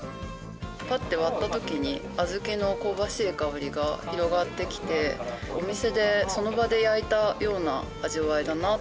パッて割った時にあずきの香ばしい香りが広がってきてお店でその場で焼いたような味わいだなって思いました。